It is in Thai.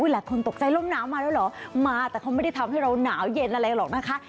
หลายคนตกใจลมหนาวมาแล้วเหรอมาแต่เขาไม่ได้ทำให้เราหนาวเย็นอะไรหรอกนะคะ